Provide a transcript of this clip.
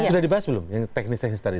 sudah dibahas belum yang teknis teknis tadi